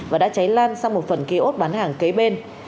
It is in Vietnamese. và đã cháy lan sang một phần kế ốt bán hàng kế bên